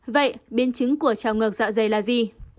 vậy biến chứng của trào ngược dạ dày là gì